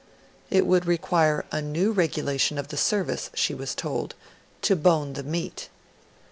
'It would require a new Regulation of the Service,' she was told, 'to bone the meat.'